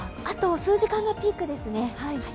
あと数時間がピークですね。